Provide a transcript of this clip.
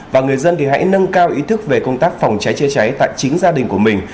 và người dân hãy nâng cao ý thức về công tác phòng cháy chữa cháy tại chính gia đình của mình